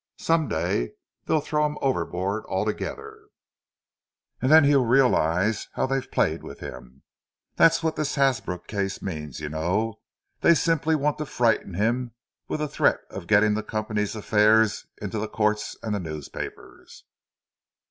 Some day they'll throw him overboard altogether, and then he'll realize how they've played with him. That's what this Hasbrook case means, you know—they simply want to frighten him with a threat of getting the company's affairs into the courts and the newspapers."